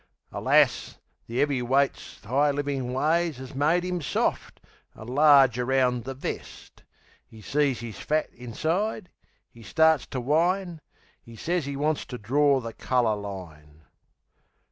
Alas, the 'eavy weight's 'igh livin' ways 'As made 'im soft, an' large around the vest. 'E sez 'e's fat inside; 'e starts to whine; 'E sez 'e wants to dror the colour line.